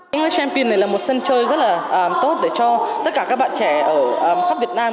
live stempine này là một sân chơi rất là tốt để cho tất cả các bạn trẻ ở khắp việt nam